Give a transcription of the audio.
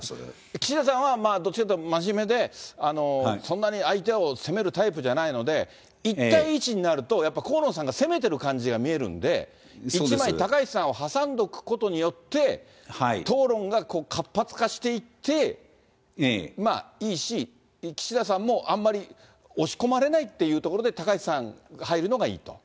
岸田さんは、どっちかというと真面目でそんなに相手を攻めるタイプじゃないので、１対１になるとやっぱ河野さんが攻めてる感じが見えるんで、１枚高市さんを挟んどくことによって、討論が活発化していっていいし、岸田さんもあんまり、押し込まれないっていうところで、高市さんが入るのがいいと。